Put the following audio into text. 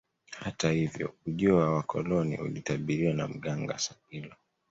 Hata hivyo ujio wa wakoloni ulitabiriwa na mganga Sakilo